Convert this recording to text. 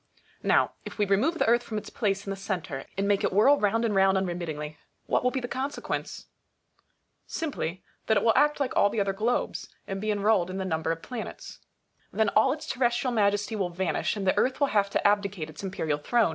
Now, if we remove the Earth from its place in the centre, and make it whirl round and round unremittingly, what will be the consequence ? Simply, that it will act like all the other globes, and be enrolled in the number of the planets. Then all its terrestrial majesty will vanish, and the Earth will have to abdicate its imperial throne.